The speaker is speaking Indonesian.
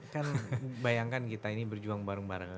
kan bayangkan kita ini berjuang bareng barengan